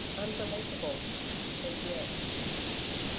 unbelievable... and yet....